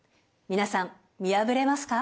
皆さん見破れますか？